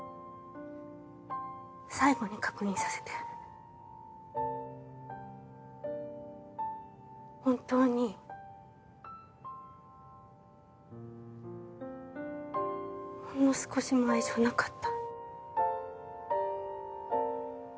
最後に確認させて本当にほんの少しも愛情なかった？